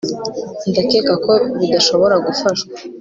Ndakeka ko bidashobora gufashwa